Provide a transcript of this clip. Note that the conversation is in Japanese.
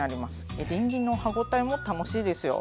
エリンギの歯ごたえも楽しいですよ。